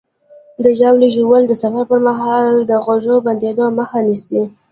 د ژاولې ژوول د سفر پر مهال د غوږ بندېدو مخه نیسي.